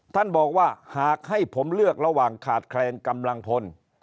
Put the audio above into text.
ท่านบอกว่าหากให้ผมเลือกระหว่างขาดแคลนกำลังพล